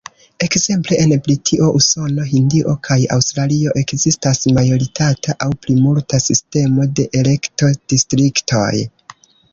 Ekzemple en Britio, Usono, Hindio kaj Aŭstralio ekzistas majoritata aŭ plimulta sistemo de elekto-distriktoj.